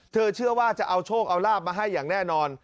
เชื่อว่าจะเอาโชคเอาลาบมาให้อย่างแน่นอน